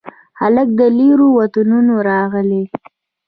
هلک د لیرو وطنونو راغلي